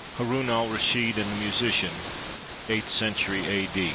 i HAROUN AL RASHID AND THE MUSICIAN [Eighth century a.